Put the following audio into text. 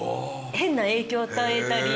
変な影響与えたり。